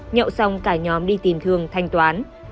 nhậu xong cả nhóm đi tìm thương thanh toán